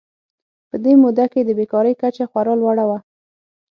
په دې موده کې د بېکارۍ کچه خورا لوړه وه.